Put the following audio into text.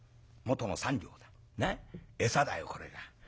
なっ餌だよこれが。